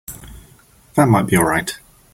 That might be all right.